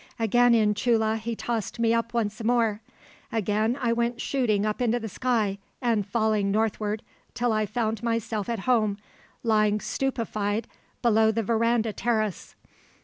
Again in Chulla he tossed me up once more. Again I went shooting up into the sky and falling northward, till I found myself at home, lying stupefied below the verandah terrace.